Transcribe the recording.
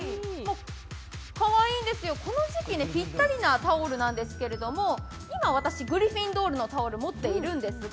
かわいいんですよ、この時期にぴったりなタオルなんですけど、今、私、グリフィンドールのタオルを持ってるんですが。